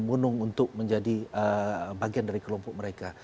orang berbunuh bunuh untuk menjadi bagian dari kelompok mereka